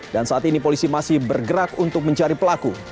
dan saat ini polisi masih bergerak untuk mencari pelaku